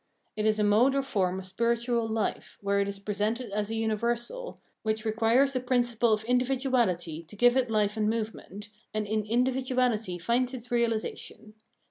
It is a mode or form of spiritual hfe, where it is presented as a universal, which requires the principle of individuahty to give it hfe and movement, and in individuahty finds its reahsa tion.